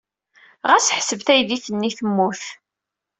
Ɣas ḥseb taydit-nni temmut.